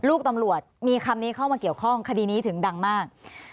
ลูกตำรวจมีคำนี้เข้ามาเกี่ยวข้องคดีนี้ถึงดังมาก